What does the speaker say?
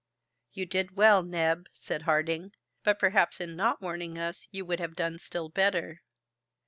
"You did well, Neb," said Harding, "but perhaps in not warning us you would have done still better!"